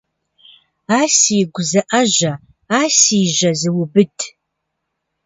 А сигу зыIэжьэ, а си жьэ зубыд.